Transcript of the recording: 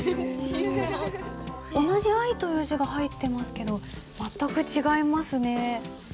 同じ「愛」という字が入ってますけど全く違いますね。